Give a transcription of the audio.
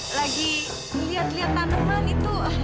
lagi liat liat taneman itu